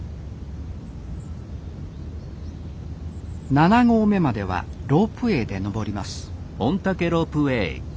七合目まではロープウェイで登ります